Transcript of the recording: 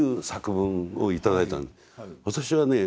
私はね